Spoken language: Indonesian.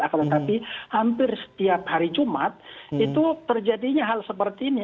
akan tetapi hampir setiap hari jumat itu terjadinya hal seperti ini